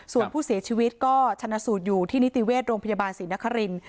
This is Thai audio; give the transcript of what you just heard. ส่วนผู้เสียชีวิตก็ชนะสูตรอยู่ที่นิติเวชโรงพยาบาลศรีนครินทร์